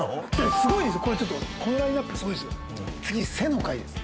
すごいんですよこれこのラインナップすごいんですよ